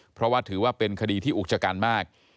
เพราะว่าถือว่าเป็นคดีที่อุกชกันมาก